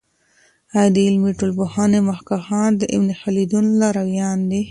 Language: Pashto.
آیا د علمي ټولپوهني مخکښان د ابن خلدون لارویان دی؟